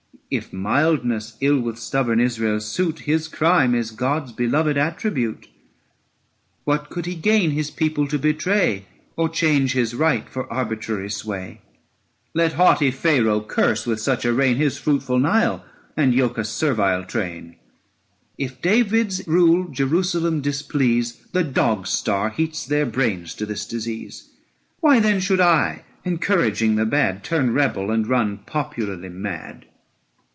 If mildness ill with stubborn Israel suit, His crime is God's beloved attribute. What could he gain his people to betray ABSALOM AND ACHITOPHEL. 97 Or change his right for arbitrary sway? 33 Let haughty Pharaoh curse with such a reign His fruitful Nile, and yoke a servile train. If David's rule Jerusalem displease, The dog star heats their brains to this disease. Why then should I, encouraging the bad, 335 Turn rebel and run popularly mad?